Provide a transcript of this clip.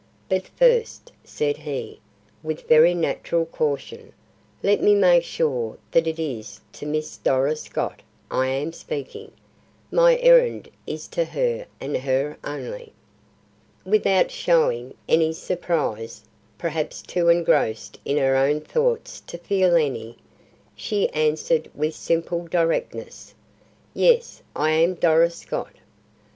"But first," said he, with very natural caution, "let me make sure that it is to Miss Doris Scott I am speaking. My errand is to her and her only." Without showing any surprise, perhaps too engrossed in her own thoughts to feel any, she answered with simple directness, "Yes, I am Doris Scott."